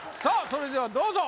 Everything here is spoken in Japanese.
それではどうぞ！